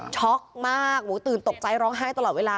ช็อกมากตื่นตกใจร้องไห้ตลอดเวลา